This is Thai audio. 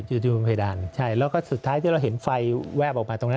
อยู่บนเพดานใช่แล้วก็สุดท้ายที่เราเห็นไฟแวบออกมาตรงนั้น